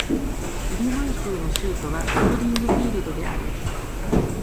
イリノイ州の州都はスプリングフィールドである